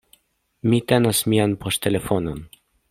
Mi tenas mian poŝtelefonon.